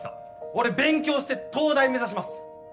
俺勉強して東大目指します！